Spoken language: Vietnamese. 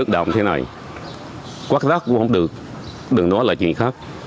nếu mưa lạ động như thế này quát rác cũng không được đừng nói là chuyện khác